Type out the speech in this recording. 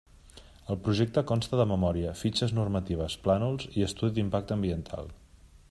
El projecte consta de memòria, fitxes normatives, plànols i estudi d'impacte ambiental.